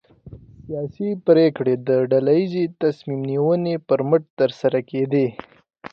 سیاسي پرېکړې د ډله ییزې تصمیم نیونې پر مټ ترسره کېدې.